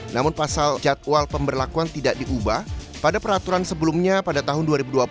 namun pasal jadwal pemberlakuan tidak diubah pada peraturan sebelumnya pada tahun dua ribu dua puluh